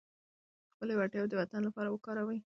خپلې وړتیاوې د وطن لپاره وکاروئ.